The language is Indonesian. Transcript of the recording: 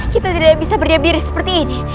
kita tidak bisa berdiam diri seperti ini